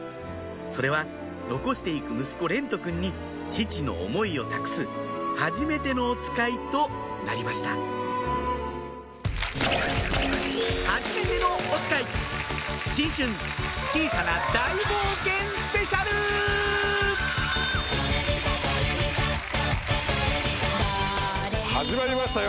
それは残して行く息子蓮和くんに父の思いを託すはじめてのおつかいとなりました始まりましたよ